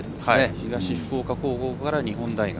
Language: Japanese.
東福岡高校から日本大学。